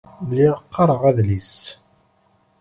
Lliɣ qqaṛeɣ adlis.